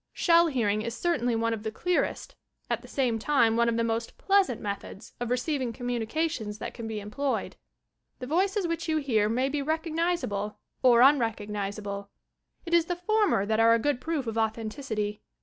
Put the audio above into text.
Shell Hearing is cer tainly one of the clearest, at the same time one of the most pleasant methods of receiving communications that can be employed. The voices which you hear may be recognizable or unrecognizable. It is the former that are a good proof of authenticity.